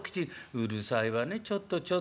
「うるさいわねちょっとちょっとって。